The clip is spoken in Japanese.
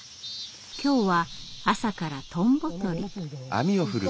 今日は朝からトンボとり。